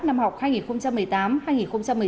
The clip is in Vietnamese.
năm học hai nghìn một mươi tám hai nghìn một mươi chín